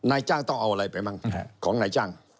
นายจ้างต้องเอาอะไรไปบ้างของนายจ้าง